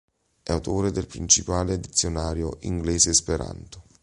È autore del principale dizionario inglese-esperanto.